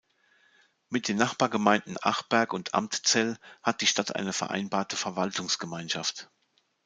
Mit den Nachbargemeinden Achberg und Amtzell hat die Stadt eine Vereinbarte Verwaltungsgemeinschaft.